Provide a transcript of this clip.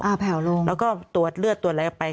แผลวลงแล้วก็ตรวจเลือดตรวจอะไรออกไป